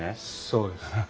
そうです。